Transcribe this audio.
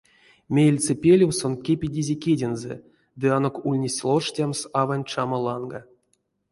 Меельце пелев сон кепедизе кедензэ ды анок ульнесь лоштямс аванть чама ланга.